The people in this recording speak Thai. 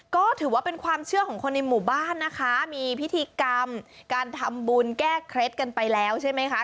ก็ถือว่าเป็นความเชื่อของคนในหมู่บ้านนะคะมีพิธีกรรมการทำบุญแก้เคล็ดกันไปแล้วใช่ไหมคะ